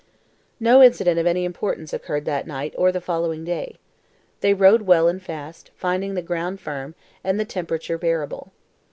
No incident of any importance occurred that night or the following day. They rode well and fast, finding the ground firm, and the temperature bearable.